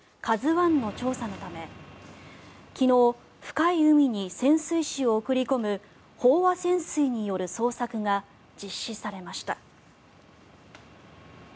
「ＫＡＺＵ１」の調査のため昨日、深い海に潜水士を送り込む飽和潜水による捜索が実施されました。